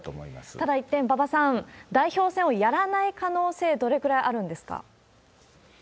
ただ、一転、馬場さん、代表選をやらない可能性、どれぐらいあるんですか？